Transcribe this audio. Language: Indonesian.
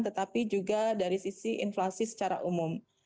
tetapi juga dari sisi inflasi secara umum